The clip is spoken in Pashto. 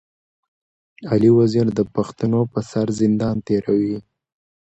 علي وزير د پښتنو پر سر زندان تېروي.